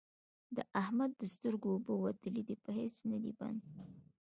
د احمد د سترګو اوبه وتلې دي؛ په هيڅ نه دی بند،